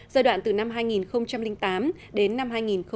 giai đoạn từ năm hai nghìn tám đến năm hai nghìn một mươi